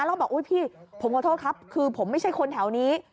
แล้วก็บอกอุ๊ยพี่ผมขอโทษครับคือผมไม่ใช่คนแถวนี้